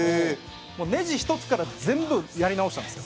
ネジ１つから全部やり直したんですよ。